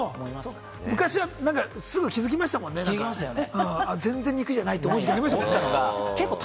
昔は、すぐ気づきましたもんね、全然肉じゃないと思う時期ありましたよね。